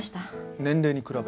年齢に比べ。